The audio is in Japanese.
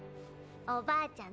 おばあちゃん